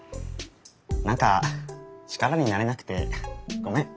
何か力になれなくてごめん。